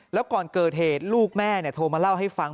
แล้วก่อนเกิดเหตุลูกแม่โทรมาเล่าให้ฟัง